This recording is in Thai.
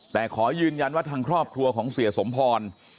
แต่ขอยืนยันว่าทางครอบครัวของเสียสมพร